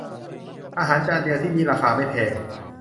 อาหารจานเดียวที่นี่ราคาไม่แพง